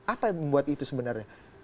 apa yang membuat itu sebenarnya